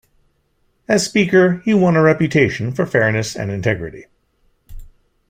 As Speaker, he won a reputation for fairness and integrity.